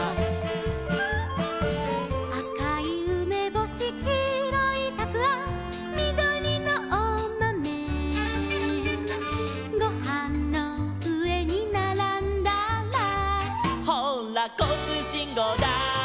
「あかいうめぼし」「きいろいたくあん」「みどりのおまめ」「ごはんのうえにならんだら」「ほうらこうつうしんごうだい」